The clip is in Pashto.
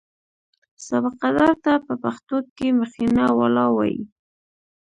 سابقه دار ته په پښتو کې مخینه والا وایي.